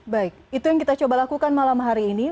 baik itu yang kita coba lakukan malam hari ini